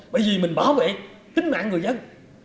bởi vì mình bảo vệ tính mạng người dân